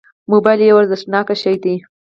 موبایل یو ارزښتناک شی دی.